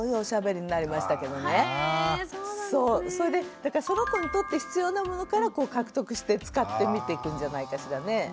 だからその子にとって必要なものから獲得して使ってみていくんじゃないかしらね。